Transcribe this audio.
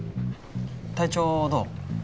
体調どう？